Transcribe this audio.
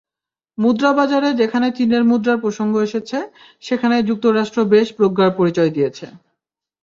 মুদ্রাবাজারে যেখানে চীনের মুদ্রার প্রসঙ্গ এসেছে, সেখানে যুক্তরাষ্ট্র বেশ প্রজ্ঞার পরিচয় দিয়েছে।